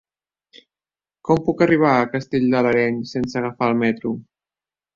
Com puc arribar a Castell de l'Areny sense agafar el metro?